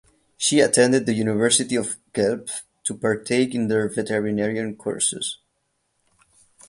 She attended the University of Guelph to partake in their veterinarian courses.